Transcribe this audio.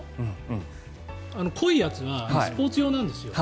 濃いやつはスポーツ用なんですよ。